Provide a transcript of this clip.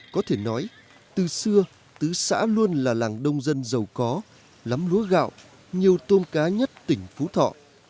có thể nói từ xưa tứ xã luôn là làng đông dân giàu có lắm lúa gạo nhiều tôm cá nhất tỉnh phú thọ